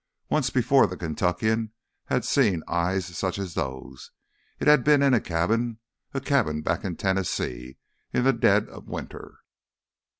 Once before the Kentuckian had seen eyes such as those. It had been in a cabin—a cabin back in Tennessee in the dead of winter.